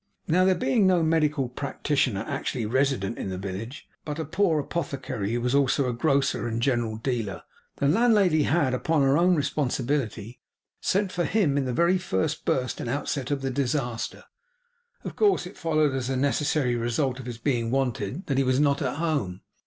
Now, there being no medical practitioner actually resident in the village, but a poor apothecary who was also a grocer and general dealer, the landlady had, upon her own responsibility, sent for him, in the very first burst and outset of the disaster. Of course it followed, as a necessary result of his being wanted, that he was not at home.